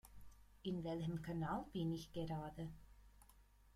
In welchem Kanal bin ich gerade?